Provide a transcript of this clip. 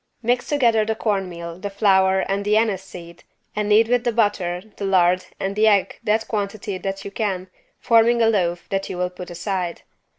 Mix together the corn meal, the flour and the anise seed and knead with the butter, the lard and the egg that quantity that you can, forming a loaf that you will put aside.